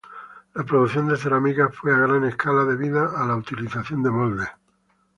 La producción de cerámica fue a gran escala debido a la utilización de moldes.